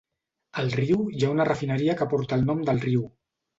Al riu hi ha una refineria que porta el nom del riu.